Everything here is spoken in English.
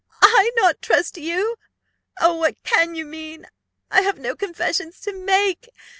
I! not trust you! Oh, what can you mean? I have no confessions to make!